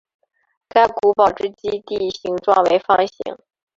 该古堡之基地形状为方形。